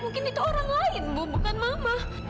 mungkin itu orang lain bu bukan mama